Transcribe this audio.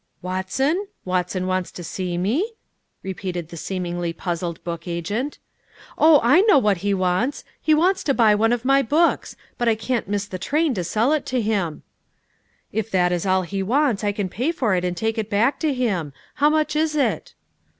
"Watson? Watson wants to see me?" repeated the seemingly puzzled book agent. "Oh, I know what he wants: he wants to buy one of my books; but I can't miss the train to sell it to him." "If that is all he wants, I can pay for it and take it back to him. How much is it?"